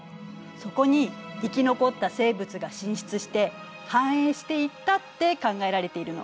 そこに生き残った生物が進出して繁栄していったって考えられているの。